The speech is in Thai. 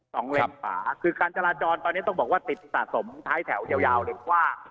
เลนขวาคือการจราจรตอนนี้ต้องบอกว่าติดสะสมท้ายแถวยาวยาวเลยกว้าง